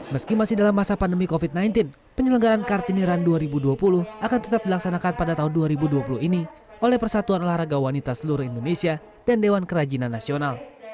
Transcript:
meski masih dalam masa pandemi covid sembilan belas penyelenggaran kartini run dua ribu dua puluh akan tetap dilaksanakan pada tahun dua ribu dua puluh ini oleh persatuan olahraga wanita seluruh indonesia dan dewan kerajinan nasional